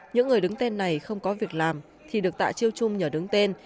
những người đứng tên này không có việc làm thì được tạ chiêu chung nhờ đứng tên